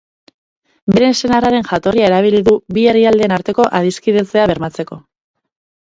Bere senarraren jatorria erabili du bi herrialdeen arteko adiskidetzea bermatzeko.